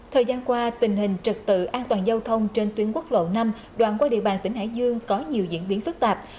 thời gian qua tình hình trật tự an toàn giao thông trên tuyến quốc lộ năm đoạn qua địa bàn tỉnh hải dương có nhiều diễn biến phức tạp